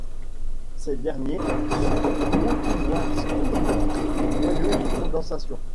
Ces derniers sont beaucoup moins disponibles que les noyaux de condensation.